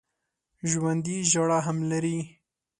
ژوندي ژړا هم لري